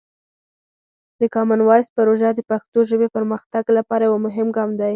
د کامن وایس پروژه د پښتو ژبې پرمختګ لپاره یوه مهمه ګام دی.